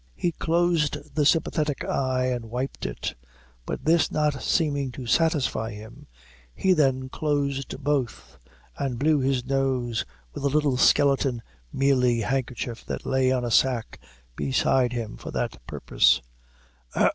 He' closed the sympathetic eye, and wiped it but this not seeming to satisfy him, he then closed both, and blew his nose with a little skeleton mealy handkerchief that lay on a sack beside him for that purpose.